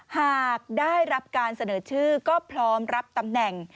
หากได้รับการเสนอชื่อก็พร้อมรับตำแหน่ง